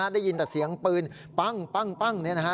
ได้ยินแต่เสียงปืนปั๊งปั๊งปั๊ง